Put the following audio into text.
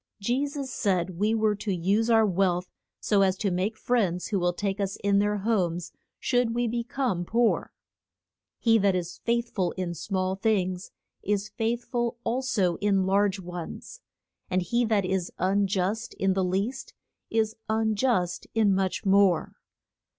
Je sus said we were to use our wealth so as to make friends who will take us in their homes should we be come poor. He that is faith ful in small things is faith ful al so in large ones. And he that is un just in the least, is un just in much more.